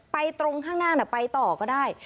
ตรงข้างหน้าไปต่อก็ได้